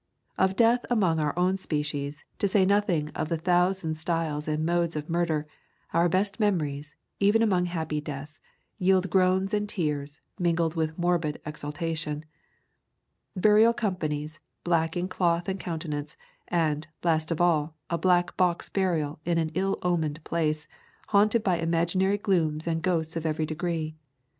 Of death among our own species, to say nothing of the thousand styles and modes of murder, our best memories, even among happy deaths, yield groans and tears, mingled with morbid exultation; burial companies, black in cloth and countenance; and, last of all, a black box burial in an ill omened place, haunted by imaginary glooms and ghosts of every degree.